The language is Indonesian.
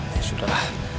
ya sudah lah